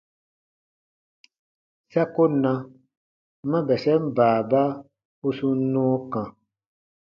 Sa ko na ma bɛsɛn baaba u sun nɔɔ kã.